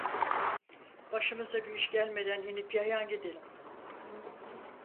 Başımıza bir iş gelmeden inip yayan gidelim!